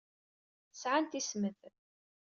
Sɛant ismed.